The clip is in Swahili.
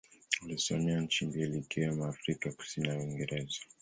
Alisomea nchi mbili ikiwemo Afrika Kusini na Uingereza.